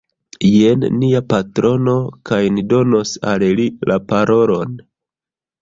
Jen nia patrono, kaj ni donos al li la parolon